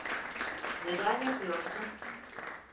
Neden yapıyorsun?